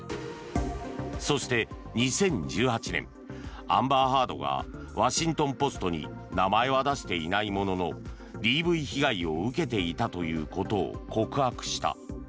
そして、２０１８年アンバー・ハードがワシントン・ポストに名前は出していないもののＤＶ被害を受けていたということを告白した。